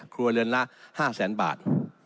ครัวเรือนละ๕แสนบาท